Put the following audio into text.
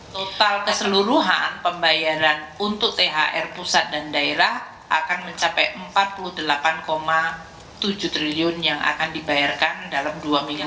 total keseluruhan pembayaran untuk thr pusat dan daerah akan mencapai empat puluh delapan tujuh triliun yang akan dibayarkan dalam dua miliar